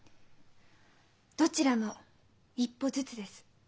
どちらも一歩ずつです。